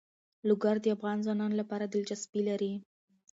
لوگر د افغان ځوانانو لپاره دلچسپي لري.